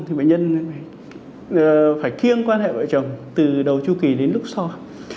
thì bệnh nhân phải khiêng quan hệ với vợ chồng từ đầu chu kỳ đến lúc soi